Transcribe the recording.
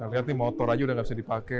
nah lihat nih motor aja udah gak bisa dipakai